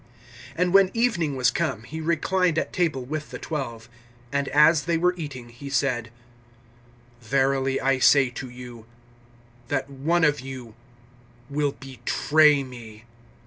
(20)And when evening was come, he reclined at table with the twelve. (21)And as they were eating, he said: Verily I say to you, that one of you will betray me.